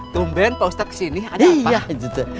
tumben pak ustadz kesini ada apa gitu